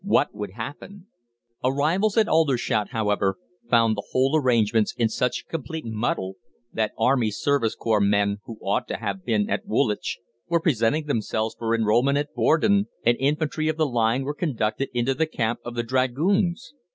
What would happen? Arrivals at Aldershot, however, found the whole arrangements in such a complete muddle that Army Service Corps men, who ought to have been at Woolwich, were presenting themselves for enrolment at Bordon, and infantry of the line were conducted into the camp of the Dragoons.